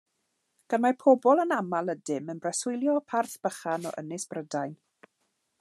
Gan mai pobl anaml ydym, yn preswylio parth bychan o Ynys Brydain.